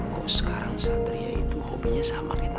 kok sekarang satria itu hobinya sama kayak nanti ini sih